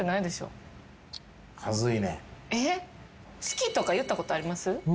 好きとか言ったことあります？